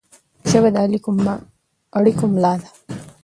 ژبه د اړیکو ملا ده